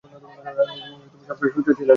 রাজনীতিতে তিনি সবসময়ই সোচ্চার ছিলেন।